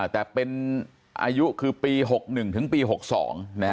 แต่เป็นอายุคือปี๖๑ถึงปี๖๒